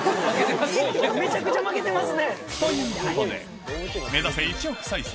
負けてますね。ということで、目指せ１億再生！